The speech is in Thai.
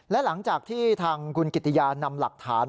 และหลังจากที่ทางคุณกิติยานำหลักฐาน